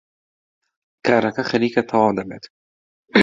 کارەکە خەریکە تەواو دەبێت.